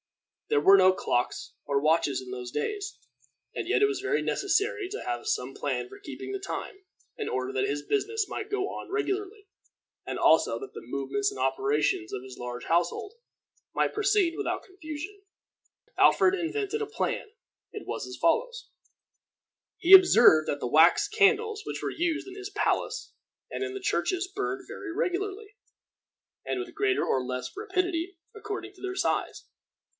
There were no clocks or watches in those days, and yet it was very necessary to have some plan for keeping the time, in order that his business might go on regularly, and also that the movements and operations of his large household might proceed without confusion. Alfred invented a plan. It was as follows: He observed that the wax candles which were used in his palace and in the churches burned very regularly, and with greater or less rapidity according to their size.